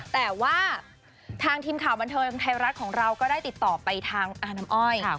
แต่ว่าทางทีมข่าวบันเทิงไทยรัฐของเราก็ได้ติดต่อไปทางอาน้ำอ้อย